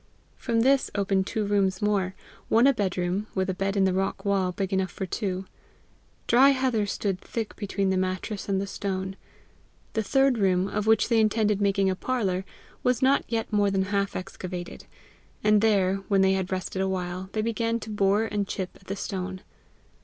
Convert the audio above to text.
From this opened two rooms more one a bedroom, with a bed in the rock wall, big enough for two. Dry heather stood thick between the mattress and the stone. The third room, of which they intended making a parlour, was not yet more than half excavated; and there, when they had rested a while, they began to bore and chip at the stone.